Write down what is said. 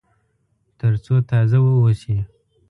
تر څو تازه واوسي.